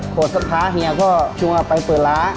โขทรภาพเฮียก็ช่วยมาไปเปิดหลา